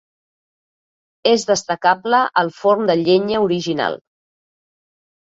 És destacable el forn de llenya original.